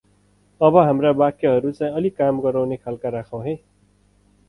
अब हाम्रो वाक्यहरु चै अलि काम गराउने खालको राखौँ है ।